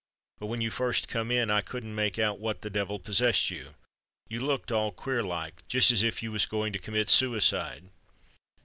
But when you first come in, I couldn't make out what the devil possessed you: you looked all queer like—just as if you was going to commit suicide."